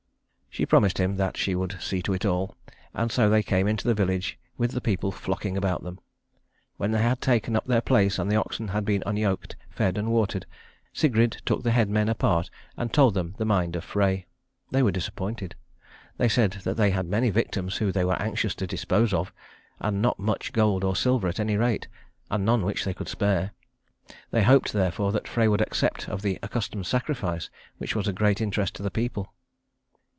She promised him that she would see to it all; and so they came into the village with the people flocking about them. When they had taken up their place and the oxen had been unyoked, fed and watered, Sigrid took the headmen apart and told them the mind of Frey. They were disappointed. They said that they had many victims whom they were anxious to dispose of, and not much gold or silver at any rate, and none which they could spare. They hoped therefore that Frey would accept of the accustomed sacrifice, which was a great interest to the people.